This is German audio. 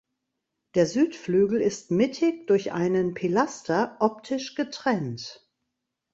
Der Südflügel ist mittig durch einen Pilaster optisch getrennt.